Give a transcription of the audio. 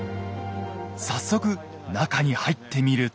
早速中に入ってみると。